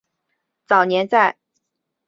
早年在斯坦福大学取得博士学位。